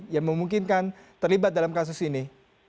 yang memungkinkan terlibat dalam kasus ini